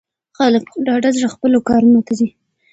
خلک په ډاډه زړه خپلو کارونو ته ځي.